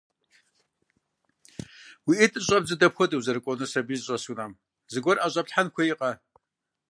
Уи ӏитӏыр щӏэбдзу дэпхуэдэу узэрыкӏуэнур сэбий зыщӏэс унэм? Зыгуэр ӏэщӏэплъхэн хуейкъэ?